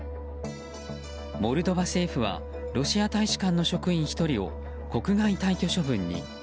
モルドバ政府はロシア大使館の職員１人を国外退去処分に。